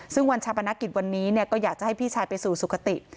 ซึ่งวันชาปนกิจวันนี้ก็อยากจะให้พี่ชายไปสู่สุขติ